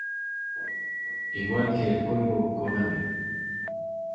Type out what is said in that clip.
Igual que el código Konami.